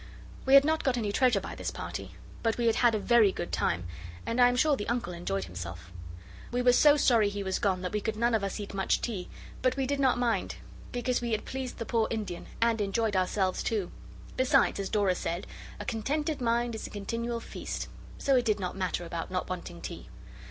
We had not got any treasure by this party, but we had had a very good time, and I am sure the Uncle enjoyed himself. We were so sorry he was gone that we could none of us eat much tea; but we did not mind, because we had pleased the poor Indian and enjoyed ourselves too. Besides, as Dora said, 'A contented mind is a continual feast,' so it did not matter about not wanting tea.